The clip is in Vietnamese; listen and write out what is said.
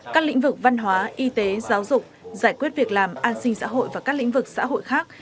các lĩnh vực văn hóa y tế giáo dục giải quyết việc làm an sinh xã hội và các lĩnh vực xã hội khác